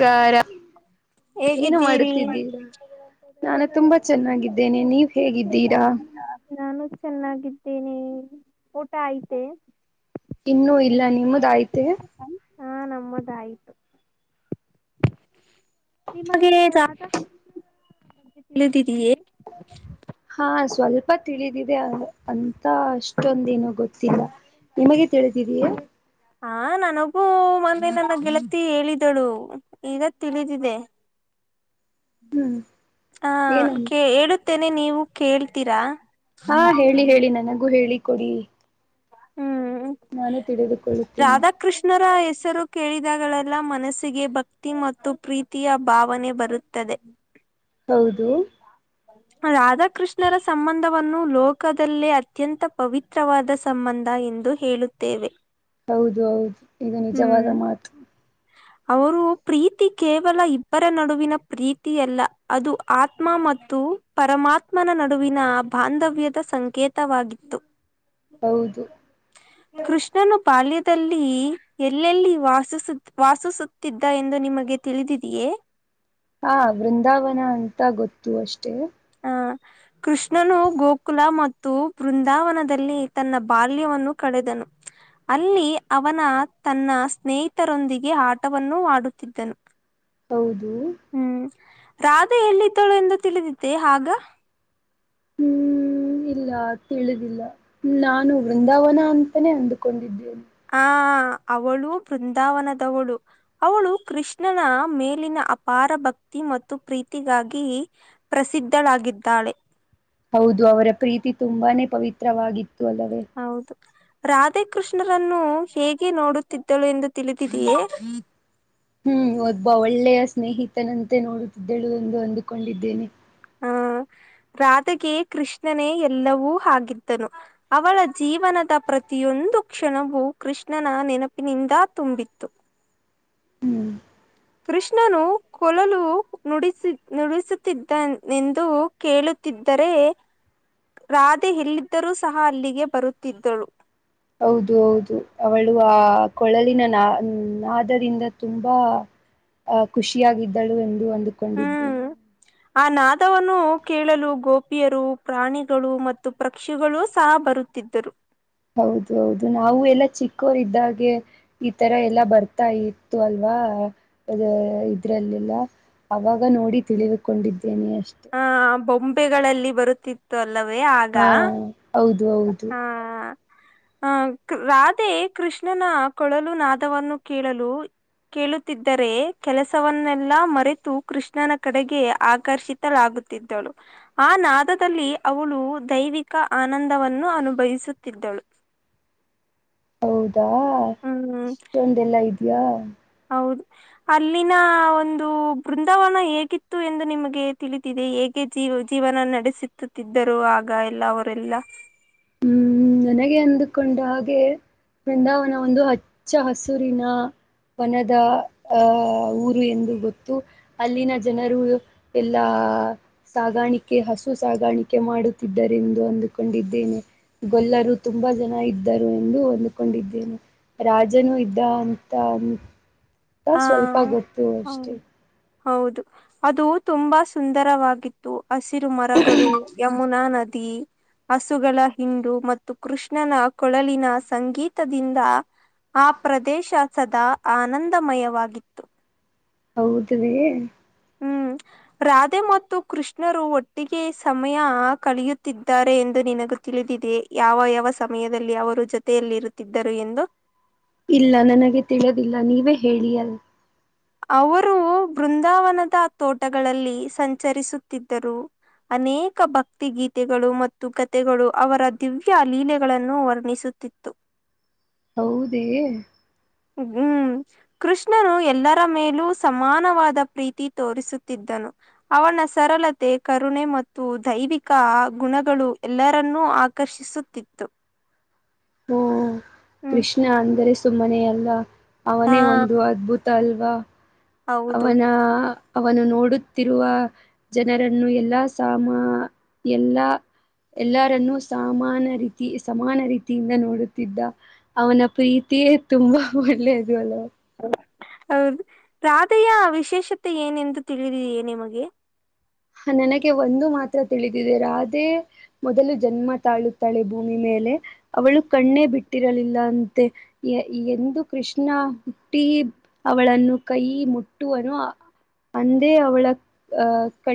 ಕಾರ, ಏನು ಹೇಗಿದ್ದೀರಿ ಮಾಡುತ್ತಿದ್ದೀರಾ? ನಾನು ತುಂಬಾ ಚೆನ್ನಾಗಿದ್ದೇನೆ, ನೀವ್ ಹೇಗಿದ್ದೀರಾ ನಾನು ಚೆನ್ನಾಗಿದ್ದೇನೆ, ಊಟ ಆಯ್ತೆ? ಇನ್ನು ಇಲ್ಲ, ನಿಮ್ಮದಾಯ್ತೆ? ಹಾ ನಮ್ಮದಾಯ್ತು. ನಿಮಗೆ ಜತ ದದಿಯೆ ಹಾ ಸ್ವಲ್ಪ ತಿಳಿದಿದೆ ಅಂತ ಅಷ್ ಇಷ್ಟೊಂದೇನು ಗೊತ್ತಿಲ್ಲ, ನಿಮಗೆ ತಿಳಿದಿದಯಾ? ಹ ಮಂದೆ ನನ್ನ ಗೆಳತಿ ಹೇಳಿದಳು ಈಗ ತಿಳಿದಿದೆ. ಹ್ಮ್ ಹ ಏನಂದ ಕ ಹೇಳುತ್ತೇನೆ, ನೀವು ಕೇಳ್ತೀರಾ? ಹಾ ಹೇಳಿ ಹೇಳಿ, ನನಗೂ ಹೇಳಿ ಕೊಡಿ. ಹ್ಮ್ ರಾಧಾಕೃಷ್ಣರ ಹೆಸರು ಕೇಳಿದ ಗಳೆಲ್ಲ ಮನಸ್ಸಿಗೆ ಭಕ್ತಿ ಮತ್ತು ಪ್ರೀತಿಯ ಭಾವನೆ ಬರುತ್ತದೆ. ಹೌದು. ರಾಧಾಕೃಷ್ಣರ ಸಂಬಂಧವನ್ನು ಲೋಕದಲ್ಲೇ ಅತ್ಯಂತ ಪವಿತ್ರವಾದ ಸಂಬ ಸಂಬಂಧ ಎಂದು ಹೇಳುತ್ತೇವೆ. ಹೌದು ಹೌದು ಇದು ನಿಜವಾದ ಹ್ಮ್ ಮಾತು. ಅವರು ಪ್ರೀತಿ ಕೇವಲ ಇಬ್ಬರ ನಡುವಿನ ಪ್ರೀತಿ ಅಲ್ಲ, ಅದು ಆತ್ಮ ಮತ್ತು ಪರಮಾತ್ಮನ ನಡುವಿನ ಬಾಂಧವ್ಯದ ಸಂಕೇತವಾಗಿತ್ತು. ಹೌದು ಕೃಷ್ಣನು ಪಾಲ್ಯ ಎಲ್ಲೆಲ್ಲಿ ವಾಸಿಸುತ್ತ ವಾಸಿಸುತ್ತಿದ್ದ ಎಂದು ನಿಮಗೆ ತಿಳಿದಿದೆಯೇ? ಹಾ ವೃಂದಾವನ ಅಂತ ಗೊತ್ತು ಅಷ್ಟೇ. ಆ ಕೃಷ್ಣನು ಗೋಕುಲ ಮತ್ತು ಬೃಂದಾವನದಲ್ಲಿ ತನ್ನ ಬಾಲ್ಯವನ್ನು ಕ ಳೆದನು. ಅಲ್ಲಿ ಅವನ ತನ್ನ ಸ್ನೇಹಿತರೊಂದಿಗೆ ಆಟವನ್ನೂ ಆಡುತ್ತಿದ್ದನು. ಹೌದು ಹ್ಮ್ ರಾಧೆ ಎಲ್ಲಿದ್ದಳು ಎಂದು ತಿಳಿದಿದ್ದೆ ಆಗ? ಹ್ಮ್ ಇಲ್ಲ ತಿಳಿದಿಲ್ಲ ನಾನು ವೃಂದಾವನ ಅಂತಾನೇ ಅಂದಕೊಂಡಿದ್ದೇನೆ. ಹ ಅವಳು ಬೃಂದಾವನದವಳು ಅವಳು ಕೃಷ್ಣನ ಮೇಲಿನ ಅಪಾರ ಭಕ್ತಿ ಮತ್ತು ಪ್ರೀತಿಗಾಗಿ ಪ್ರಸಿದ್ಧಳಾಗಿದ್ದಾಳೆ. ಹೌದು ಅವರ ಪ್ರೀತಿ ತುಂಬಾನೇ ಪವಿತ್ರವಾಗಿತ್ತು ಅಲ್ಲವೇ ಹೌದು ರಾಧಾ ಕೃಷ್ಣರನ್ನು ಹೇಗೆ ನೋಡುತ್ತಿದ್ದಳು ಎಂದು ತಿಳಿದಿದೆಯೇ ಹ್ಮ್ ಒಬ್ಬ ಒಳ್ಳೆಯ ಸ್ನೇಹಿತನಂತೆ ನೋಡುತ್ತಿದ್ದಳು ಒಂದು ಅಂದುಕೊಂಡಿದ್ದೇನೆ ಹಾ ರಾಧೆಗೆ ಕೃಷ್ಣನೇ ಎಲ್ಲವೂ ಆಗಿದ್ದನು ಅವಳ ಜೀವನದ ಪ್ರತಿಯೊ ಒಂದು ಕ್ಷಣವೂ ಕೃಷ್ಣನ ನೆನಪಿನಿಂದ ತುಂಬಿತ್ತು ಹ್ಮ್ ಕೃಷ್ಣನು ಕೊಲಲು ನುಡಿಸಿ ನುಡಿಸುತ್ತಿದ್ದ ಎಂದು ಕೇಳಿ ರೆ ರಾಧೆ ಇಲ್ಲಿದ್ದರೂ ಸಹ ಅಲ್ಲಿಗೆ ಬರುತ್ತಿದ್ದಳು ಹೌದು ಹೌದು ಅವಳ ಕೊಳಲಿನ ನಾ ನಾದರಿಂದ ತುಂಬಾ ಅಹ ಖುಷಿಯಾಗಿದ್ದಳು ಎಂದು ಅಂದುಕೊಂಡಿದ್ದೇನೆ. ಹ್ಮ್ ಆ ನಾದವನ್ನು ಕೇಳಲು ಗೋಪಿಯರು ಪ್ರಾಣಿಗಳು ಮತ್ತು ಪಕ್ಷಿಗಳು ಸಹ ಬರುತ್ತ ಿದ್ದರು ಹೌದ ಹೌದು ನಾವು ಎಲ್ಲ ಚಿಕ್ಕ ೋರ್ ಇದ್ದಾಗೆ ಈ ತರ ಎಲ್ಲ ಬರ್ತಾ ಇತ್ತು ಅಲ್ವಾ ಅ ಇದ್ರಲ್ಲಿ ಇಲ್ಲ ಅವಾಗ ನೋಡಿ ತಿಳಿದುಕೊಂಡಿದ್ದೇನೆ ಅಷ್ಟೆ ಪೆಗಳಲ್ಲಿ ಬರುತ್ತಿತ್ತು ಅಲ್ಲವೇ ಆಗ ಹಾ ಹೌದು ಹೌದು ಅ ರಾಧೆ ಕೃಷ್ಣನ ಕೊಳಲು ನಾದವನ್ನು ಕೇಳಲು ಕೇಳುತ್ತಿದ್ದರೆ ಕೆಲಸವನ್ನೆಲ್ಲಾ ಮರೆತು ಕೃಷ್ಣನ ಕಡೆಗೆ ಆಕರ್ಷಿತಲಾಗು ಳು ಆ ನಾದದಲ್ಲಿ ಅವಳು ದೈವಿಕ ಆನಂದ ನ್ನು ಅನುಭವಿಸುತ್ತಿದ್ದಳು ಹೌದಾ ಇಷ್ಟೊಂದೆಲ್ಲಾ ಇದ್ಯಾಾ ಹ ಅಲ್ಲಿನ ಒಂದು ಬೃಂದಾವನ ಹೇಗಿತ್ತು ಎಂದು ನಿಮಗೆ ತಿಳಿದಿದೆ ಹೇ ಜೀವ ಜೀವನ ನಡೆಸುತ್ತುತ್ತಿದ್ದರು ಆಗ ಎಲ್ಲ ಅವರೆಲ್ಲ ಹ್ಮ್ ನನಗೆ ಅಂದುಕೊಂಡ ಹಾಗೆ ಬೃಂದಾವನ ಒಂದು ಹಚ್ಚ ಹಸುರಿನ ವನದ ಆಹ ಊರು ಎಂದು ಅಲ್ಲಿನ ಜನರು ಎಲ್ಲ ಸಾಗಾಣಿಕೆ ಹಸು ಸಾಗಾಣಿಕೆ ಕೆ ಮಾಡುತ್ತರೆಂದು ಅಂದುಕೊಂಡಿದ್ದೇನೆ ಗೊಲ್ಲರು ತುಂಬಾ ಜನ ಇದ್ದ ಇದ್ದರು ಎಂದು ಹೊಂದಕೊಂಡಿದ್ದೇನೆ ರಾಜನು ಇದ್ದ ಅಂತ ಹಾ ಸ್ವಲ್ಪ ಗೊತ್ತು ಹ ಅಷ್ಟೆ. ಹೌದು ಅದು ತುಂಬಾ ಸುಂದರವಾಗಿತ್ತು ಹಸಿರು ಮರಗಳು ಯಮುನಾ ನದ ್ದ ಹಸುಗಳ ಹಿಂಡು ಮತ್ತು ಕೃಷ್ಣನ ಕೊಳಲಿನ ಸಂಗೀತದಿಂದ ಆ ಪ್ರದೇಶ ಸದಾ ಆನಂದಮಯವಾಗಿತ್ತು ಹೌದ ಹ್ಮ್ ರಾಧೆ ಮತ್ತು ಕೃಷ್ಣರು ಒಟ್ಟಿಗೆ ಸಮಯ ಕಲಿಯುತ್ತಿದ್ದಾರೆ ಎಂದು ನಿನಗ ತಿಳಿದು ಯಾವ ಯಾವ ಸಮಯದಲ್ಲಿ ಅವರು ಜೊತೆಯಲ್ಲಿರುತ್ತಿದ್ದರು ಎಂದು ಇಲ್ಲ ನನಗೆ ತಿಳದಿಲ್ಲ ನೀವೇ ಹೇಳಿ ಅಲ್ ಅವರು ಬೃಂದಾವನದ ತೋಟಗಳಲ್ಲಿ ಸಂಚರಿಸುತ್ತಿದ್ದರು ಅನೇಕ ಭಕ್ತಿ ಗೀತೆಗಳು ಮತ್ತು ಕಥೆಗಳು ಅವರ ದಿವ್ಯ ಲೀಲೆಗಳನ್ನು ವರ್ಣಿಸ ಿತ್ತು ಹೌದೇ ಹ್ಮ್ ಕೃಷ್ಣನು ಎಲ್ಲರ ಮೇಲೂ ಸಮಾನವಾದ ಪ್ರೀತಿ ತೋರಿಸುತ್ತಿದ್ದ ಅವನ ಸರಳತೆ ಕರುಣೆ ಮತ್ತು ದೈವಿಕ ಗುಣಗಳು ಎಲ್ಲರನ್ನೂ ಆಕರ್ಷಿಸುತ್ತಿತ್ತು ಹ್ಮ ಹ್ಮ್ ಕೃಷ್ಣ ಅಂದರೆ ಸುಮ್ಮನೆ ಅಲ್ಲ ಹಾ ಅವನೇ ಒಂದು ಅದ್ಭುತ ಅಲ್ ಹೌದು ಅವನ ಅವನು ನೋಡುತ್ತಿರುವ ಜನರನ್ನು ಎಲ್ಲಾ ಸಾಮಾ ಎಲ್ಲಾ ಎಲ್ಲಾರನ್ನುೂ ಸಾಮಾನ ಸಮಾನ ರೀತಿಯಿಂದ ನೋಡುತ್ತಿದ್ದ ಅವನ ಪ್ರೀತಿಯೇ ತುಂಬಾ ಒಳ್ಳೆಯದು ಅಲ್ವ ಹೌದು ರಾಧೆಯ ವಿಶೇಷತೆ ಏನೆಂದು ತಿಳಿದೇ ನಿಮಗೆ ನನಗೆ ಒಂದು ಮಾತ್ರ ತಿಳಿದಿದೆ ರಾಧೆ ಮೊದಲು ಜನ್ಮ ತಾಳೂಕು ತಳಿ ಭೂಮಿ ಮೇಲೆ ಅವಳು ಕಣ್ಣೇ ಬಿಟ್ಟಿರಲಿಲ್ಲ ಅಂತೆ ಎಂದು ಕೃಷ್ಣ ಹುಟ್ಟಿ ಅವಳನ್ನು ಕೈ ಮುಟ್ಟುವನು ಅಂದೇ ಅವಳ ಅ್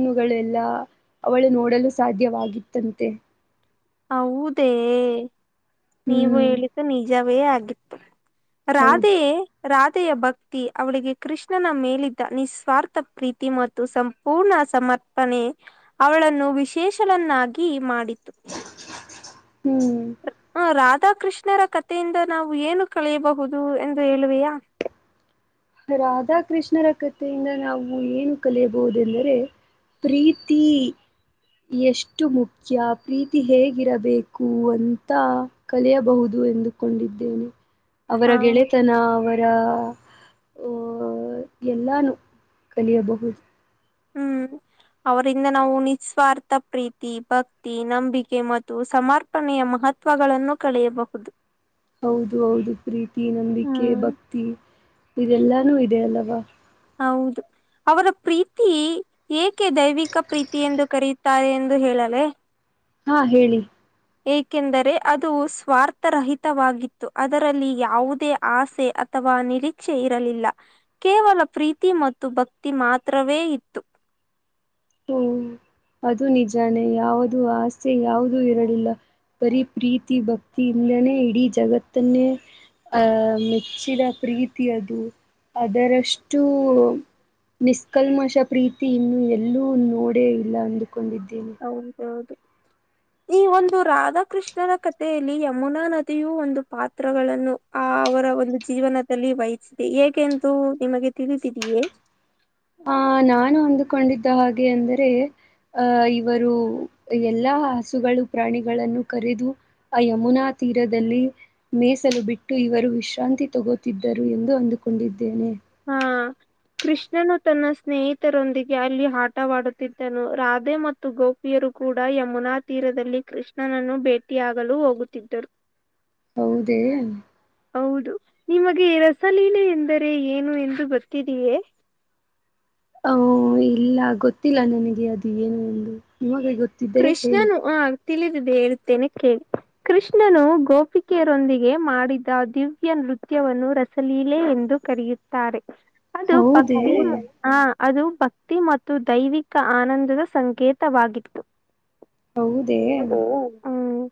ಣ್ಣ ೆಲ್ಲಾ ಅವಳು ನೋಡಲು ಸಾಧ್ಯವಾಗಿತ್ತಂತೆ ಹೌದೇ ನೀವು ಹ್ಮ್ ಹೇಳಿದ್ದು ನಿಜವೇ ಆಗಿತರ ರಾಧೆ ಹೌದು ರಾಧೆ ಭಕ್ತಿ ಅವಳಿಗೆ ಕೃಷ್ಣನ ಮೇಲಿದ್ದ ನಿಸ್ವಾರ್ಥ ಪ್ರೀತಿ ಮತ್ತು ಸಂಪೂರ್ಣ ಸಮಾಜ ಅರ್ಪಣೆ ಅವಳನ್ನು ವಿಶೇಷಲನ್ನಾಗಿ ಮಾಡಿತು ಹ್ಮ್ ರಾಧಾಕೃಷ್ಣರ ಕಥೆಯಿಂದ ನಾವು ಏನು ಕಳೆಯಬಹುದು ಎಂದು ಹೇಳುವೆಯಾ ರಾಧಾಕೃಷ್ಣರ ಕೃತೆಯಿಂದ ನಾವು ಏನು ಕಲಿಯಬಹುದೆಂದರೆ ಪ್ರೀತಿ ಎಷ್ಟು ಮುಖ್ಯ ಪ್ರೀತಿ ಹೇಗಿರಬೇಕು ಕುವಂತ ಕಲಿಯಬಹುದು ಎಂದುಕೊಂಡಿದ್ದೇನೆ ಅವರ ಹಾ ಗೆಳೆತನ ಅವರ ಎಲ್ಲಾನೂ ಕಲಿಯಬಹುದು ಹ್ಮ್ ಅವರಿಂದ ನಾವು ನಿಸ್ವಾರ್ಥ ಪ್ರೀತಿ ಭಕ್ತಿ ನಂಬಿಕೆ ಮತ್ತು ಸಮರ್ಪಣೆಯ ಮಹ ಮಹತ್ವಗಳನ್ನು ಕಳೆಯಬಹುದು ಹೌದು ಹೌದು ಪ್ರೀತಿ ನಂಬಿಕೆ ಹ್ಮ್ ಭಕ್ತಿ ಇದೆಲ್ಲಾನು ಇದೆ ಅಲ್ಲವಾ ಹೌದು ಅವರ ಪ್ರೀತಿ ಏಕೆ ದೈವಿಕ ಪ್ರೀತಿ ಎಂದು ಕರೆಯುತ್ತಾರೆ ಎಂದು ಹೇಳ ಲ್ಲ ಹಾ ಹೇಳಿ ಏಕೆಂದರೆ ಅದು ಸ್ವಾರ್ಥರಹಿತವಾಗಿತ್ತು ಅದರಲ್ಲಿ ಯಾವುದೇ ಆಸೆ ಅಥವಾ ನಿರೀಕ್ಷೆ ಇರಲಿಲ್ಲ ಕೇವಲ ಪ್ರೀತಿ ಮತ್ತು ಭಕ್ತಿ ಮಾತ್ರವೇ ಇತ್ತು ಹ್ಮ ಹ್ಮ್ ಅದು ನಿಜಾನೇ ಯಾವುದುೂ ಆಸ್ೆ ಯಾವುದೂ ಇರಲಿಲ್ಲ ಬರಿೀ ಪ್ರೀತಿ ಭಕ್ತಿ ಇಿಂದಾನೇ ಇಡೀ ಜಗತ್ ತನ್ನೆ ಆ್ ಮೆಚ್ಚಿದ ಪ್ರೀತಿ ಅದು ಅದರಷ್ಟು ನಿಸ್ಕಲ್ಮಶ ಪ್ರೀತಿ ಇನ್ನು ಎಲ್ಲೂ ನೋಡೇ ಇಲ್ಲ ಒಂದು ಹೌದೌದು ಈ ಒಂದು ರಾಧಾಕೃಷ್ಣನ ಕಥೆಯಲ್ಲಿ ಯಮುನಾ ನದಿಯು ಒಂದು ಪಾತ್ರಗಳನ್ನು ಆ ಅವರ ಒಂದು ಜೀವನದಲ್ಲಿ ವಹಿಸಿದೆ ಏಕೆಂದು ನಿಮಗೆ ತಿಳಿದಿದಿಯೇ ಆ ನಾನು ಅಂದುಕೊಂಡಿದ್ದ ಹಾಗೆ ಅಂದರೆ ಇವರು ಎಲ್ಲ ಹಸುಗಳು ಪ್ರಾಣಿಗಳನ್ನು ಕರೆದು ಆ ಯಮುನಾ ತೀರದಲ್ಲಿ ಮೀಸಲು ಬಿಟ್ಟು ಇವರು ವಿಶ್ರಾಂತಿ ತಗೋುತ್ತಿದ್ದರು ಎಂದು ಅಂದುಕೊಂಡಿದ್ದೇನೆ ಹಾ ಕೃಷ್ಣನು ತನ್ನ ಸ್ನೇಹಿತರೊಂದಿಗೆ ಅಲ್ಲಿ ಆಟವಾಡುತ್ತಿದ್ದನು ರಾಧೆ ಮತ್ತು ಗೋಪಿಯರು ಕೂಡ ಯಮುನಾ ತೀರದಲ್ಲಿ ಕೃಷ್ಣನನ್ನು ಭೇಟಿಯಾಗಲು ಹೋಗುತ್ತಿದ್ದರು ಹೌದೇ ಹೌದು ನಿಮಗೆ ರಸಲೀಲೆ ಎಂದರೆ ಏನು ಎಂದು ಗತ್ತಿದೆಯೇ ಹ ಇಲ್ಲ ಗೊತ್ತಿಲ್ಲ ನನಗೆ ಅದು ಏನು ಎಂದು ನಿಮಗೆ ಗೊತ್ತ ಕೃಷ್ಣನು ಆ ತಿಳಿದಿದೆ ಹೇಳುತ್ತೇನೆ ಕೇಳಿ ಕೃಷ್ಣನು ಗೋಪಿಕೆಯರೊಂದಿಗೆ ಮಾಡಿದ್ದ ದಿವ್ಯನ್ ನೃತ್ಯವನ್ನು ರಸಲೀಲೆ ಎಂದು ಕರೆಯುತ್ತಾರೆ ಅದು ಹೌದೇ ಭಕ್ತಿ ಅದು ಭಕ್ತಿ ಮತ್ತು ದೈವಿಕ ಆನಂದದ ಸಂಕೇತವಾಗಿತ್ತು ಹೌದೇ ಹ್ಮ್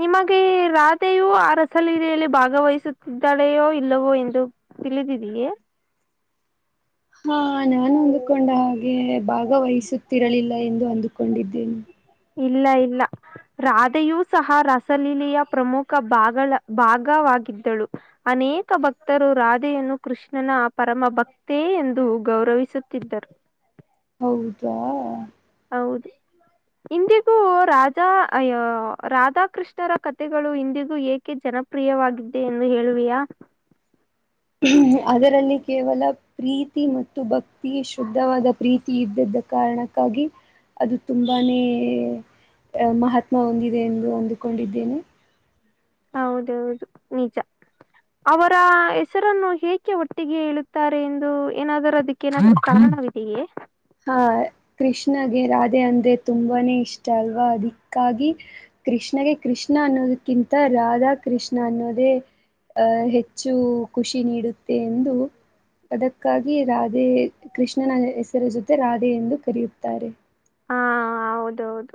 ನಿಮಗೆ ರಾಧೆಯೂ ಆ ರಸಲೀಲೆಯಲ್ಲಿ ಭಾಗವಹಿಸುತ್ತಿದ್ದಾಳೆಯೋ ಇಲ್ಲವೋ ಎಂದು ತಿಳಿದಿದೀಯೇ ಹಾ ನಾನು ಅಂದುಕೊಂಡ ಹಾಗೆ ಭಾಗವಹಿಸುತ್ತಿರಲಿಲ್ಲ ಎಂದು ಅಂದು ಹಕೊಂಡಿದ್ದೀನ ಇಲ್ಲ ಇಲ್ಲ ರಾಧೆಯೂ ಸಹ ರಸಲೀಲೆಯ ಪ್ರಮುಖ ಭಾಗಗಳ ಭಾಗವಾಗಿದ್ದಳು ಅನೇಕ ಅನೇಕ ಭಕ್ತರು ರಾಧೆಯನ್ನು ಕೃಷ್ಣನ ಪರಮ ಭಕ್ತೇ ಎಂದು ಗೌರವಿಸುತ್ತಿದ್ದರು ಹೌದಾ ಹೌದು ಇಂದಿಗೂ ರಾಜಾ ರಾಧಾಕೃಷ್ಣರ ಕತೆೆಗಳು ಇಂದಿಗೂ ಏಕೆ ಜನ ಜನಪ್ರಿಯವಾಗಿದ್ದೆ ಎಂದು ಹೇಳುವಿಯಾ ಅದರಲ್ಲಿ ಕೇವಲ ಪ್ರೀತಿ ಮತ್ತು ಭಕ್ತಿ ಶುದ್ಧವಾದ ಪ್ರೀತಿ ಇದ್ದ್ದ ಕಾರಣಕ್ಕಾ ಅದು ತುಂಬಾನೇ ಅಹ ಮಹಾತ್ಮ ಹೊಂದಿದೆ ಎಂದು ಅಂದುಕೊಂಡಿದ್ದೇನೆ ಹೌದೌದು ನಿಜ ಅವರ ಹೆಸರನ್ನು ಹೇಕೆ ಒಟ್ಟಿಗೆ ಇಳುತ್ತಾರೆ ಎಂದು ಏನಾದರೂ ಅದಕ್ಕೆ ನ ಿದ್ದಗೆ ಹಾ ಕೃಷ್ಣಗೆ ರಾಧೆ ಅಂದೇ ತುಂಬಾನೇ ಇಷ್ಟ ಅಲ್ವಾ ಅದಕ್ಕಾಗಿ ಕೃಷ್ಣಗೆ ಕೃಷ್ಣ ಅನ್ನೋದ ಕಿಂತ ರಾಧಾಕೃಷ್ಣ ಅನ್ನೋದೇ ಅಹ್ ಹೆಚ್ಚು ಖುಷಿ ನೀಡುತ್ತೆ ಎಂದು ಅದಕ್ಕಾಗಿ ರಾಧೆ ಕೃಷ್ಣನ ಹೆಸರ ಜೊತೆ ರಾಧೆ ಎಂದು ಕರೆಯುತ್ತಾರೆ ಹಾ ಹೌದೌದು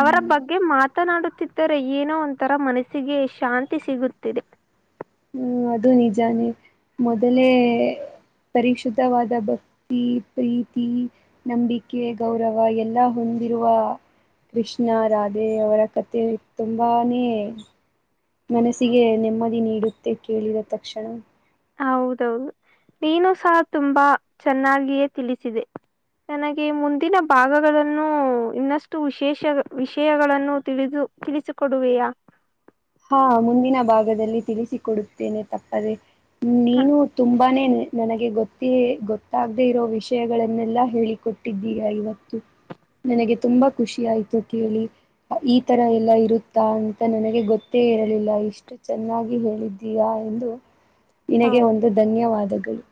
ಅವರ ಬಗ್ಗೆ ಮಾತ ಮಾತನಾಡುತ್ತಿದ್ದರೆ ಏನೋ ಒಂಥರ ಮನಸ್ಸಿಗೆ ಶಾಂತಿ ಸಿಗುತ್ತಿದೆ ಹ್ಮ ಅದು ನಿಜಾನೇ ಮೊದಲೇ ಪರಿಶುದ್ಧವಾದ ಭಕ್ತಿ ಪ್ರೀತಿ ನಂಬಿಕೆ ಗೌರವ ಎಲ್ಲ ಹೊಂದಿರುವ ಕೃಷ್ಣ ರಾಧೆ ಅವರ ಕತೆೆ ತುಂಬಾನೇ ಮನಸ್ಸಿಗೆ ನೆಮ್ಮದಿ ನೀಡುತ್ತೆ ಕೇಳಿದ ತಕ್ಷಣ ಹೌದೌದು ನೀನು ಸಹ ತುಂಬಾ ಚೆನ್ನಾಗಿಯೇ ತಿಳಿಸಿದೆ ನನಗೆ ಮುಂದಿನ ಭಾಗಗಳನ್ನು ಇನ್ನಷ್ಟು ವಿಶೇಷ ವಿಷಯಗಳನ್ನು ತಿಳಿದು ತಿಳಿಸ ಕೊಡುವೆಯಾ ಹಾ ಮುಂದಿನ ಭಾಗದಲ್ಲಿ ತಿಳಿಸಿಕ ಕೊಡುತ್ತೇನೆ ತಪ್ಪದೆೇ ನೀನು ತುಂಬ ತುಂಬಾನೇ ನನಗೆ ಗೊತ್ತಿ ಗೊತ್ತಾಗದೆ ಇರೋ ವಿಷಯಗಳನ್ನೆಲ್ಲ ಹೇಳಿಕೊಟ್ಟಿದ್ದೀಗ ಇವತ್ತು ನನಗೆ ತುಂಬಾ ಖುಷಿ ಆಯ್ತು ಕೇಳಿ ಈ ತರ ಎಲ್ಲಾ ಇರುತ್ತ ಾ ಅಂತ ನನಗೆ ಗೊತ್ತೇ ಇರಲಿಲ್ಲ ಇಷ್ಟು ಚೆನ್ನಾಗಿ ಹೇಳಿದ್ದೀಯಾ ಎಂದು ನಿನಗೆ ಹೌದು ಒಂದು ಧನ್ಯವಾದಗಳು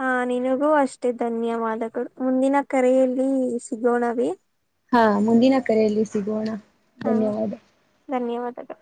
ಹಾ ನಿನಗೂ ಅಷ್ಟೇ ಧನ್ಯವಾದಗಳು ಮುಂದಿನ ಕರೆಯಲ್ಲಿ ಸಿಗೋಣವೇ ಹಾ ಮುಂದಿನ ಕರೆಯಲ್ಲಿ ಸಿಗೋಣ ಹಾ ಧನ್ಯವಾ ದ ಧನ್ಯವಾದಗಳು